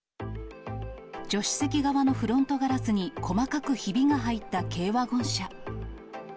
助手席側のフロントガラスに細かくひびが入った軽ワゴン車。